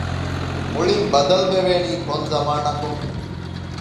މުޅިން ބަދަލުވެވޭނީ ކޮން ޒަމާނަކުން؟